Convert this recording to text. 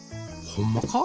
ほんまか？